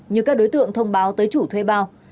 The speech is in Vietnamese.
như các đối tượng thông báo tới chủ thuê bao